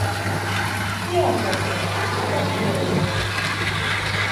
Jā, Katrīn, labāk ielejiet!